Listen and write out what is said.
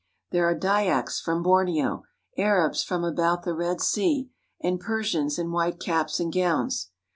There are Dyaks from Borneo, Arabs from about the Red Sea, and Persians in white caps and gowns.